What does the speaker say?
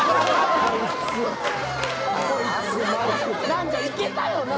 何かいけたよな。